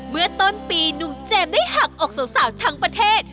เมื่อต้นปีหนุ่มเจมส์ได้หักอกสาวทั้งประเทศ